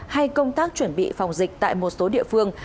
hay công tác chuẩn bị phòng dịch tại một số địa phương